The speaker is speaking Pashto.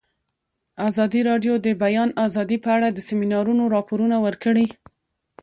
ازادي راډیو د د بیان آزادي په اړه د سیمینارونو راپورونه ورکړي.